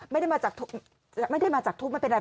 ไม่ได้มาจากทูปมันเป็นอะไร